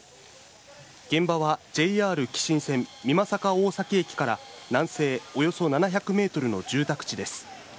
現場はＪＲ姫新線美作大崎駅から南西およそ７００メートルの住宅地です。